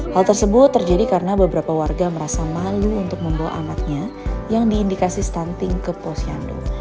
hal tersebut terjadi karena beberapa warga merasa malu untuk membawa anaknya yang diindikasi stunting ke posyandu